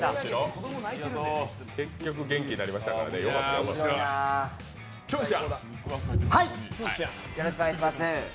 結局元気になりましたからね、よかったです。